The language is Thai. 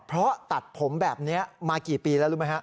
เพราะตัดผมแบบนี้มากี่ปีแล้วรู้ไหมฮะ